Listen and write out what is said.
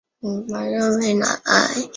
束丝菝葜为百合科菝葜属下的一个种。